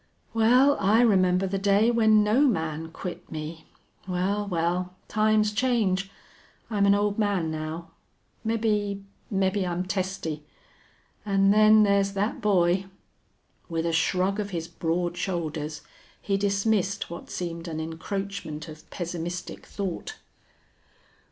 "Wal, I remember the day when no man quit me. Wal, wal! times change. I'm an old man now. Mebbe, mebbe I'm testy. An' then thar's thet boy!" With a shrug of his broad shoulders he dismissed what seemed an encroachment of pessimistic thought.